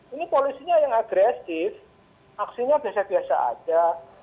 ini polisinya yang agresif aksinya biasa biasa aja